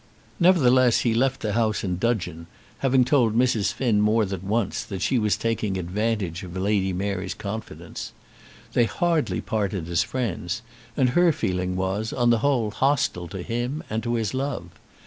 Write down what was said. Nevertheless he left the house in dudgeon, having told Mrs. Finn more than once that she was taking advantage of Lady Mary's confidence. They hardly parted as friends, and her feeling was, on the whole, hostile to him and to his love.